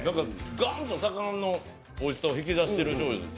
ガンと魚のおいしさを引き立ててる醤油です。